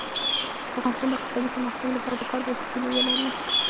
د افغانستان د اقتصادي پرمختګ لپاره پکار ده چې هیلې ولرو.